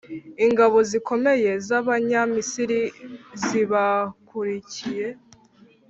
ingabo zikomeye z’abanyamisiri zibakurikiye;